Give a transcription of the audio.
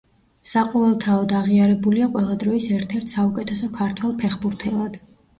საყოველთაოდ აღიარებულია ყველა დროის ერთ-ერთ საუკეთესო ქართველ ფეხბურთელად.